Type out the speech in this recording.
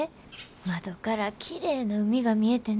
窓からきれいな海が見えてな。